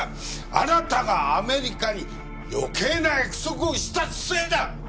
あなたがアメリカに余計な約束をしたせいだ！